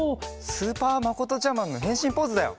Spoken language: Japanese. スーパーまことちゃマンのへんしんポーズだよ！